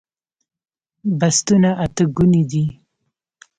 بستونه اته ګوني دي